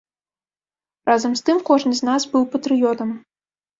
Разам з тым кожны з нас быў патрыётам.